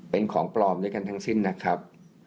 เป็นของปลอมด้วยกันทั้งสิ้นนะครับ